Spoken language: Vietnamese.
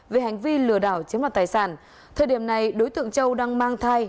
về hành vi lừa đảo chiếm đoạt tài sản thời điểm này đối tượng châu đang mang thai